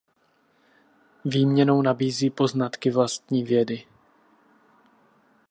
Výměnou nabízí poznatky vlastní vědy.